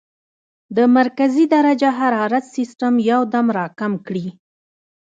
د مرکزي درجه حرارت سسټم يو دم را کم کړي -